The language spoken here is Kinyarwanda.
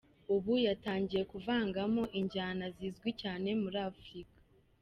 Ubu yatangiye kuvangamo injyana zizwi cyane muri Afurika.